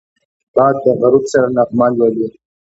باد د غروب سره نغمه لولي